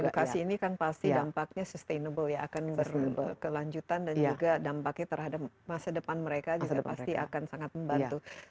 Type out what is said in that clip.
edukasi ini kan pasti dampaknya sustainable ya akan berkelanjutan dan juga dampaknya terhadap masa depan mereka juga pasti akan sangat membantu